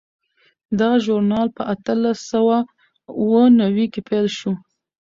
دا ژورنال په اتلس سوه اووه نوي کې پیل شو.